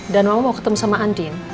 dan mama mau ketemu sama andin